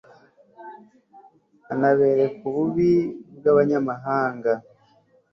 anabereka ububi bw'abanyamahanga